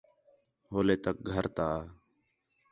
ہولے تک گھر تا